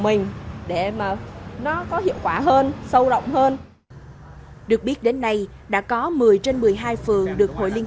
mình để mà nó có hiệu quả hơn sâu rộng hơn được biết đến nay đã có một mươi trên một mươi hai phường được hội liên